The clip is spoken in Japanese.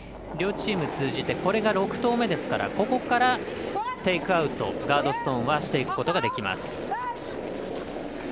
両チーム通じてこれが６投目ですからここからテイクアウトをガードストーンはしていくことができます。